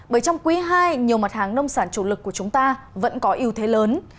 bởi trong quý ii nhiều mặt hàng nông sản chủ lực của chúng ta vẫn có ưu thế lớn